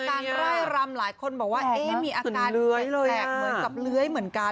การไล่รำหลายคนบอกว่ามีอาการแปลกเหมือนกับเลื้อยเหมือนกัน